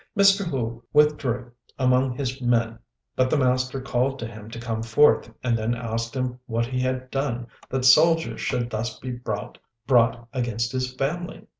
Mr. Hu withdrew among his men, but the master called to him to come forth, and then asked him what he had done that soldiers should be thus brought against his family.